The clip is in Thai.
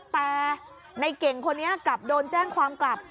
แต่ในเก่งคนนี้กลับโดนแจ้งความกลับ